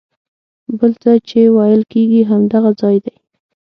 بل ځای چې ویل کېږي همدغه ځای دی.